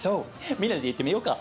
みんなで言ってみようか。